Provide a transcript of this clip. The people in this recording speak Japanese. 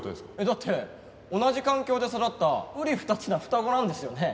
だって同じ環境で育ったうり二つな双子なんですよね？